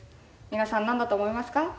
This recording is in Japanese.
皆さんなんだと思いますか？